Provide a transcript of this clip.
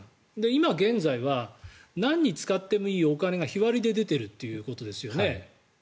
今現在は何に使ってもいいお金が日割りで出ているということですよね。